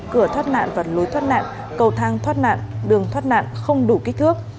cửa thoát nạn và lối thoát nạn cầu thang thoát nạn đường thoát nạn không đủ kích thước